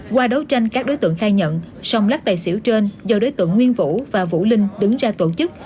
qua đấu tranh các đối tượng khai nhận sông lắc tài xỉu trên do đối tượng nguyên vũ và vũ linh đứng ra tổ chức